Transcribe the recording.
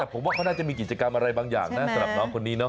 ผมว่าเขาน่าจะมีกิจกรรมอะไรบางอย่างนะสำหรับน้องคนนี้เนาะ